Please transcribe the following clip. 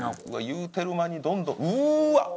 言うてる間にどんどんうわっ！